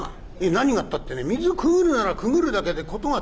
「何がったってね水くぐるならくぐるだけで事が足りてるでしょ？